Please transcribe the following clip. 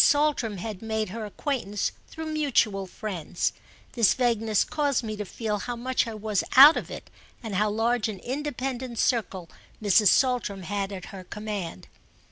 Saltram had made her acquaintance through mutual friends. This vagueness caused me to feel how much I was out of it and how large an independent circle Mrs. Saltram had at her command.